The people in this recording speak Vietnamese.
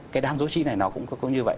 cái đám dối trĩ này nó cũng như vậy